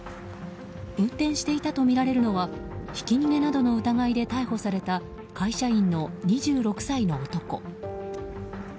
運転していたとみられるのはひき逃げなどの疑いで逮捕された会社員の２６歳の男。